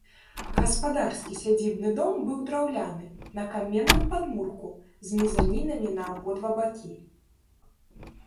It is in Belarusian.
Гаспадарскі сядзібны дом быў драўляны, на каменным падмурку, з мезанінамі на абодва бакі.